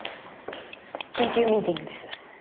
緊急ミーティングです。